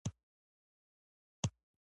خو چې کله يې يوسف خان وليدو